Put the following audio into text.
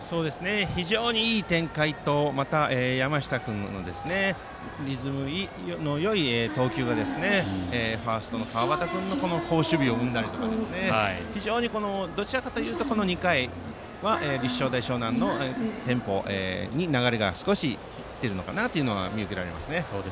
非常にいい展開と山下君のリズムのよい投球が、ファーストの川端君の好守備を生んだりと非常に、どちらかというと２回は立正大淞南のテンポに流れが来ているのかなと見受けられます。